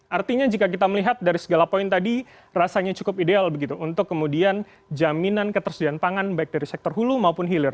artinya jika kita melihat dari segala poin tadi rasanya cukup ideal begitu untuk kemudian jaminan ketersediaan pangan baik dari sektor hulu maupun hilir